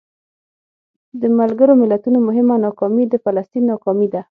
د ملګرو ملتونو مهمه ناکامي د فلسطین ناکامي ده.